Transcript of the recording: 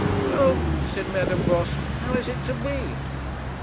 'Well,' said Madame Voss, 'how is it to be?'